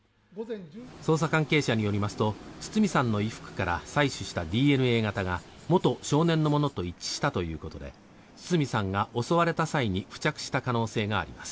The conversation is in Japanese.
捜査関係者によりますと堤さんの衣服から採取したＤＮＡ型が元少年のものと一致したということで堤さんが襲われた際に付着した可能性があります。